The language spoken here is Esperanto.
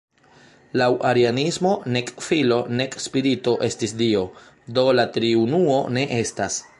Laŭ arianismo, nek Filo nek Spirito estis Dio, do la Triunuo ne estas.